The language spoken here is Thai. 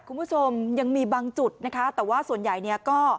คุณผู้ชมยังมีบางจุดนะคะแต่ว่าส่วนใหญ่เนี่ยก็